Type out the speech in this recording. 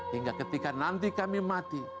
hingga ketika nanti kami mati